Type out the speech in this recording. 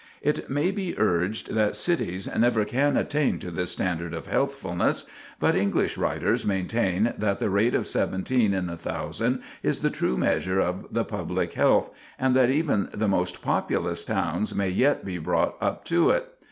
It may be urged that cities never can attain to this standard of healthfulness, but English writers maintain that the rate of 17 in the 1,000 is the true measure of the public health, and that even the most populous towns may yet be brought up to it.